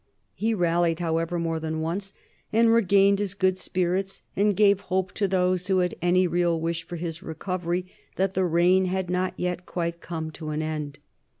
He rallied, however, more than once, and regained his good spirits and gave hope to those who had any real wish for his recovery that the reign had not yet quite come to an end.